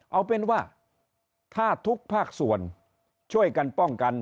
เอาเป็นว่าถ้าทุกภาคส่วนช่วยกันป้องกัน